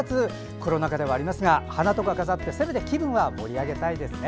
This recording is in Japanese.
コロナ禍ではありますが花とか飾って、せめて気分は盛り上げたいですね。